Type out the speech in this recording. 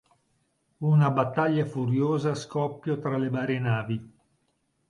Una battaglia furiosa scoppio tra le varie navi.